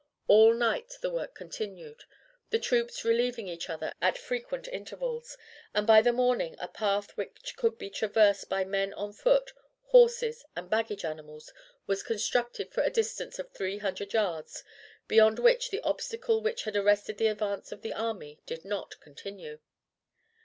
All night the work continued, the troops relieving each other at frequent intervals, and by the morning a path which could be traversed by men on foot, horses, and baggage animals was constructed for a distance of three hundred yards, beyond which the obstacle which had arrested the advance of the army did not continue.